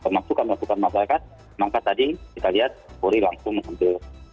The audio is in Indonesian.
masukan masukan masyarakat maka tadi kita lihat polri langsung mengambil